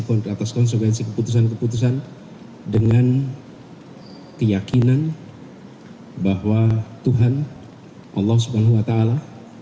kondisi atas konsekuensi keputusan keputusan dengan keyakinan bahwa tuhan allah subhanahu wa ta'ala